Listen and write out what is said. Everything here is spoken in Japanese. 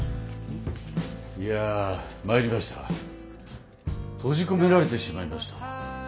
いや参りました閉じ込められてしまいました。